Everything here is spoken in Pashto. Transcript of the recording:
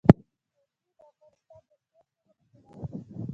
وادي د افغانستان د شنو سیمو ښکلا ده.